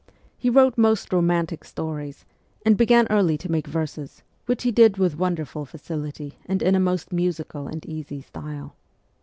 He wrote most romantic stories, and began early to make verses, which he did with wonderful facility and in a most musical and easy style.